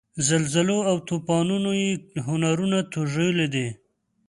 زلزلو او توپانونو یې هنرونه توږلي دي.